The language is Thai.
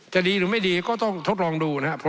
จะดีหรือไม่ดีก็ต้องทดลองดูนะครับ